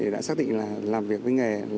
đã xác định là làm việc với nghề